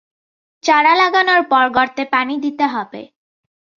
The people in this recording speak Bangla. চারা লাগানোর পর গর্তে পানি দিতে হবে।